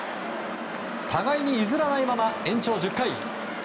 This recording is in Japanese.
互いに譲らないまま延長１０回。